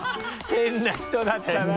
変な人だったな